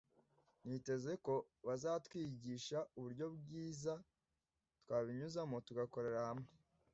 niteze ko bazatwigisha uburyo bwiza twabinyuzamo tugakorera hamwe